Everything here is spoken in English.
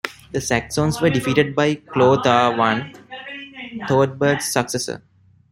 The Saxons were defeated by Chlothar I, Theudebald's successor.